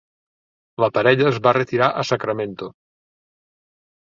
La parella es va retirar a Sacramento.